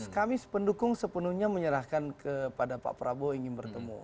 kami pendukung sepenuhnya menyerahkan kepada pak prabowo ingin bertemu